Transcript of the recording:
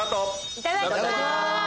・いただきます！